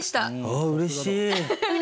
あうれしい！